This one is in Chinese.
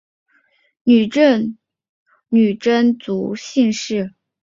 阿勒根氏是中国历史上女真族姓氏。